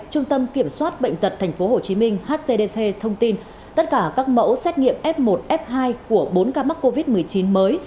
trung tâm kiểm soát bệnh tật tp hcm hcdc thông tin tất cả các mẫu xét nghiệm f một f hai của bốn ca mắc covid một mươi chín mới